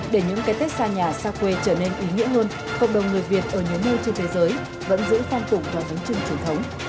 để những cái tết xa nhà xa quê trở nên ý nghĩa hơn cộng đồng người việt ở những nơi trên thế giới vẫn giữ phan tục và bánh chưng truyền thống